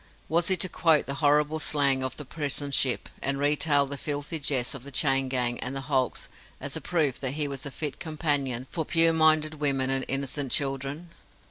Was he to quote the horrible slang of the prison ship, and retail the filthy jests of the chain gang and the hulks, as a proof that he was a fit companion for pure minded women and innocent children?